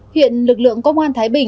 hiện lực lượng công an thái bình